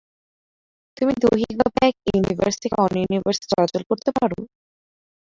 তুমি দৈহিকভাবে এক ইউনিভার্স থেকে অন্য ইউনিভার্সে চলাচল করতে পারো?